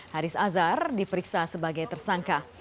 haris azhar diperiksa sebagai tersangka